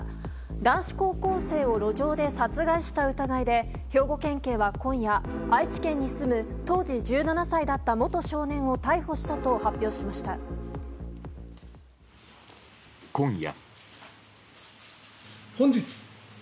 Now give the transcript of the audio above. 男子高校生を路上で殺害した疑いで兵庫県警は今夜、愛知県に住む当時１７歳だった元少年を今夜。